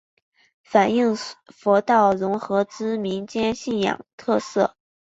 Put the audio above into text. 反应佛道融合之民间信仰特色。